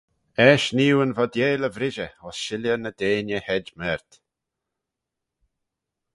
Eisht nee oo yn voteil y vrishey ayns shilley ny deiney hed mayrt.